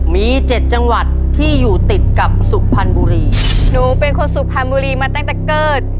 มีเจ็ดจังหวัดที่อยู่ติดกับสุพรรณบุรีหนูเป็นคนสุพรรณบุรีมาตั้งแต่เกิด